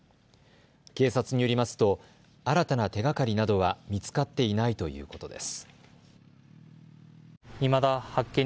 警察によりますと新たな手がかりなどは見つかっていないということです。